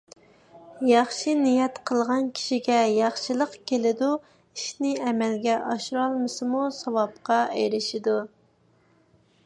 ياخشى نىيەت قىلغان كىشىگە ياخشىلىق كېلىدۇ، ئىشنى ئەمەلگە ئاشۇرالمىسىمۇ، ساۋابقا ئېرىشىدۇ.